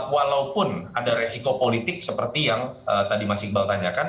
walaupun ada resiko politik seperti yang tadi mas iqbal tanyakan